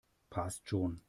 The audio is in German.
Passt schon!